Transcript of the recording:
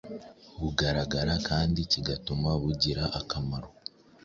bugaragara kandi kigatuma bugira akamaro.